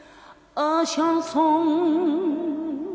ああシャンソン